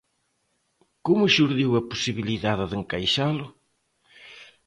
Como xurdiu a posibilidade de encaixalo?